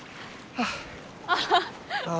ああ。